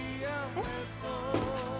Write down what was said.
えっ？